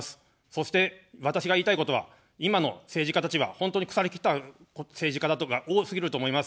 そして私が言いたいことは今の政治家たちは本当に腐りきった政治家だとか多すぎると思います。